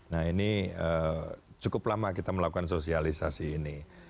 nah ini cukup lama kita melakukan sosialisasi ini